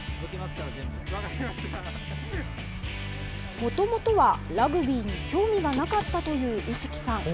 もともとはラグビーに興味がなかったという臼杵さん。